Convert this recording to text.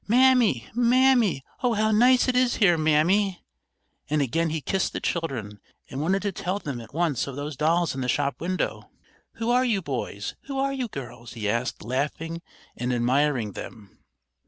"Mammy, Mammy; oh, how nice it is here, Mammy!" And again he kissed the children and wanted to tell them at once of those dolls in the shop window. "Who are you, boys? Who are you, girls?" he asked, laughing and admiring them.